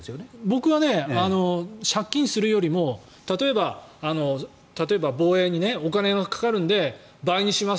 僕は借金するよりも例えば防衛にお金がかかるので倍にします